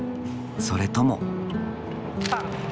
それとも。